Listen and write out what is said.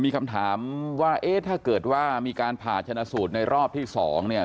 มีคำถามว่าถ้าเกิดว่ามีการผ่านชนสูตรในรอบที่๒